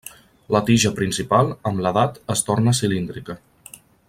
La tija principal, amb l'edat, es torna cilíndrica.